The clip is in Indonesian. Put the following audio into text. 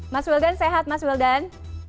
mas wildan sehat mas wildan